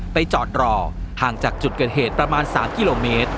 จอดรอห่างจากจุดเกิดเหตุประมาณ๓กิโลเมตร